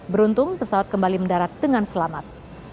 beruntung pesawat kembali mendarat dengan selamat